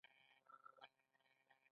په دې توره به یې غوڅه کړم.